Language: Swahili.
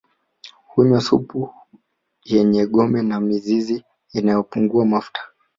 Hunywa supu yenye gome na mizizi inayopungua mafuta